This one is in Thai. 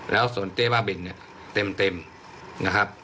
แล้วส่วนเจ๊บ้าบินเนี่ยเต็มนะครับ